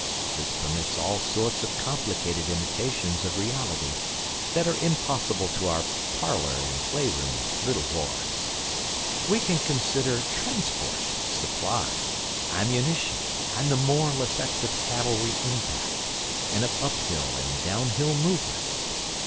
This permits all sorts of complicated imitations of reality that are impossible to our parlour and playroom Little Wars. We can consider transport, supply, ammunition, and the moral effect of cavalry impact, and of uphill and downhill movements.